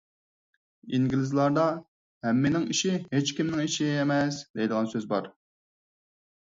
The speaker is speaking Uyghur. ئىنگلىزلاردا «ھەممىنىڭ ئىشى ھېچكىمنىڭ ئىشى» ئەمەس، دەيدىغان سۆز بار.